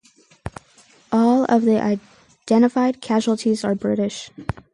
All of the identified casualties are British.